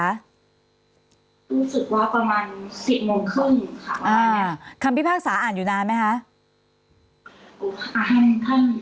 รู้สึกว่าประมาณสิบโมงครึ่งค่ะอ่าคำพิพากษาอ่านอยู่นานไหมคะ